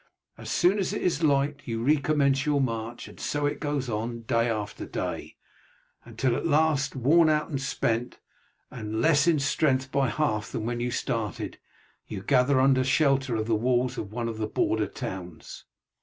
As soon as it is light you recommence your march, and so it goes on day after day, until at last, worn out and spent, and less in strength by half than when you started, you gather under the shelter of the walls of one of the border towns.